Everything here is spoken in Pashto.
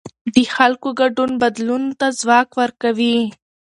د خلکو ګډون بدلون ته ځواک ورکوي